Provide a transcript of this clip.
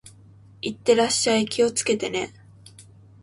行ってらっしゃい。気をつけてね。